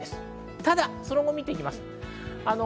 ただその後、見ていきます。